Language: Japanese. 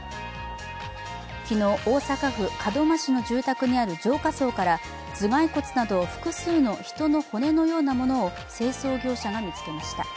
昨日、大阪府門真市の住宅にある浄化槽から頭蓋骨など複数の人の骨のようなものを清掃業者が見つけました。